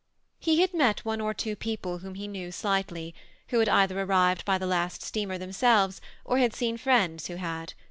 He had met one or two people whom he knew sUghtiy, who had either arrived hj the last steamer themselves, or had seen friends who bad.